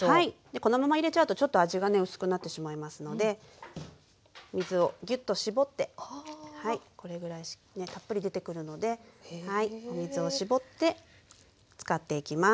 このまま入れちゃうとちょっと味がね薄くなってしまいますので水をぎゅっと絞ってこれぐらいねたっぷり出てくるのでお水を絞って使っていきます。